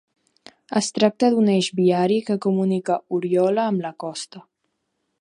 Es tracta d'un eix viari que comunica Oriola amb la costa.